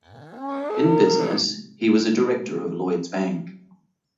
In business, he was a director of Lloyds Bank.